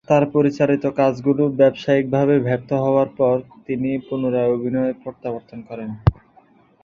তার পরিচালিত কাজগুলো ব্যবসায়িকভাবে ব্যর্থ হওয়ার পর, তিনি পুনরায় অভিনয়ে প্রত্যাবর্তন করেন।